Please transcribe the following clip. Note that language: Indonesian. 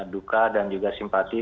duka dan juga simpati